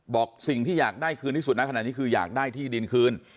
บอกสิ่งที่อยากได้คืนที่สุดนะขนาดนี้คืออยากได้ที่ดินคืน